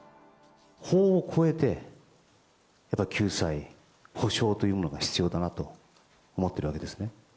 法を超えて、やっぱり救済、補償というものが必要だなと思っているわけですね。